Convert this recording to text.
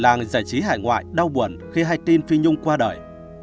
làng giải trí hải ngoại đau buồn khi hai tin phi nhung qua đời